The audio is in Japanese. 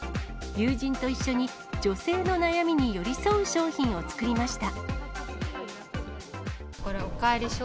友人と一緒に、女性の悩みに寄り添う商品を作りました。